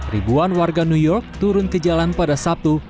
ribuan warga new york turun ke jalan pada sabtu